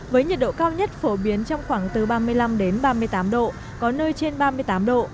với nhiệt độ cao nhất phổ biến trong khoảng từ ba mươi năm ba mươi tám độ có nơi trên ba mươi tám độ